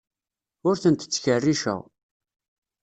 Ur tent-ttkerriceɣ.